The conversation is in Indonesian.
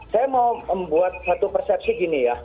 saya mau membuat satu persepsi gini ya